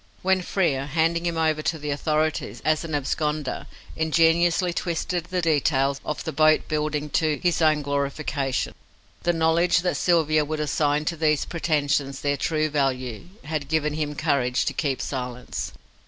When Frere, handing him over to the authorities as an absconder, ingeniously twisted the details of the boat building to his own glorification, the knowledge that Sylvia would assign to these pretensions their true value had given him courage to keep silence.